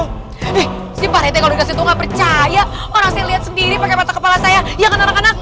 eh si pak rt kalau di situ nggak percaya orang saya lihat sendiri pakai mata kepala saya ya kan anak anak